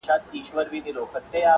آخر به وار پر سینه ورکړي،